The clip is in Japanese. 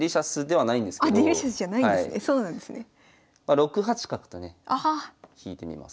６八角とね引いてみます。